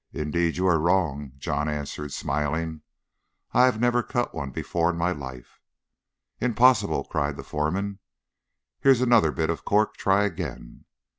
"Indeed you are wrong," John answered, smiling; "I never cut one before in my life." "Impossible!" cried the foreman. "Here's another bit of cork. Try again."